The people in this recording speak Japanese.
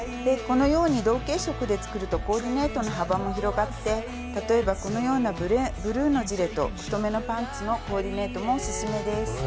このように同系色で作るとコーディネートの幅も広がって例えばこのようなブルーのジレと太めのパンツのコーディネートもオススメです。